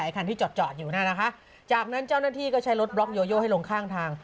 คันที่จอดจอดอยู่นั่นนะคะจากนั้นเจ้าหน้าที่ก็ใช้รถบล็อกโยโยให้ลงข้างทาง